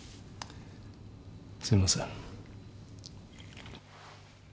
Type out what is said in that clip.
すみません